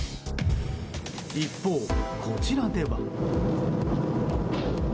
一方、こちらでは。